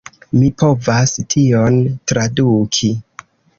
Mi povas tion traduki